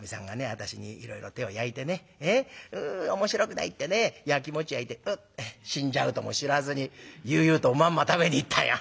私にいろいろ手を焼いてね面白くないってねやきもちやいてううって死んじゃうとも知らずに悠々とおまんま食べに行ったよ。